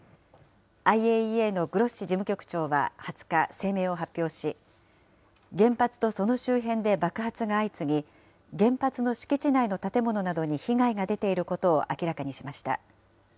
ＩＡＥＡのグロッシ事務局長は２０日、声明を発表し、原発とその周辺で爆発が相次ぎ、原発の敷地内の建物などに被害が出ていることを明らかにしました。